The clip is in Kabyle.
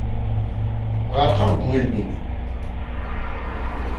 Ɣerqeɣ deg ugelmim.